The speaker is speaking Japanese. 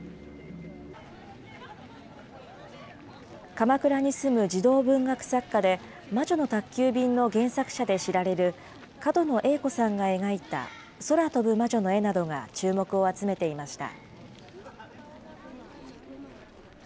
鎌倉に住む児童文学作家で、魔女の宅急便の原作者で知られる角野栄子さんが描いた空飛ぶ魔女の絵などが注目を集めていました。